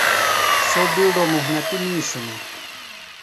سوۡ بِیڈوۡ محنتیۡ میِش ہِنوۡ۔